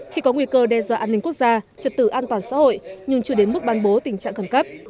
khi có nguy cơ đe dọa an ninh quốc gia trật tự an toàn xã hội nhưng chưa đến mức ban bố tình trạng khẩn cấp